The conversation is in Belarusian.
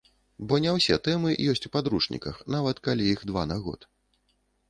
Бо не ўсе тэмы ёсць у падручніках, нават калі іх два на год.